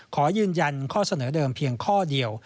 ขอยืนยันข้อเสนอเดิมเพียงข้อเดียว